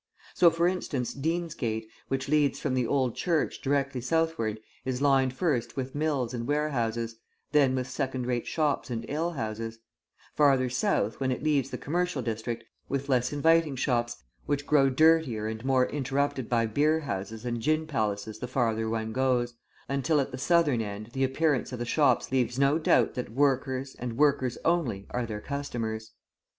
So, for instance, Deansgate, which leads from the Old Church directly southward, is lined first with mills and warehouses, then with second rate shops and alehouses; farther south, when it leaves the commercial district, with less inviting shops, which grow dirtier and more interrupted by beerhouses and gin palaces the farther one goes, until at the southern end the appearance of the shops leaves no doubt that workers and workers only are their customers.